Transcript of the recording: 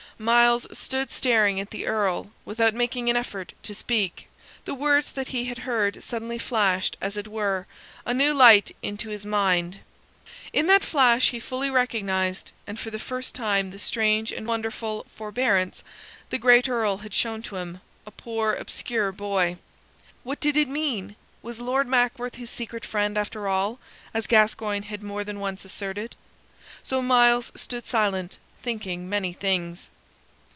Myles stood staring at the Earl without making an effort to speak. The words that he had heard suddenly flashed, as it were, a new light into his mind. In that flash he fully recognized, and for the first time, the strange and wonderful forbearance the great Earl had shown to him, a poor obscure boy. What did it mean? Was Lord Mackworth his secret friend, after all, as Gascoyne had more than once asserted? So Myles stood silent, thinking many things.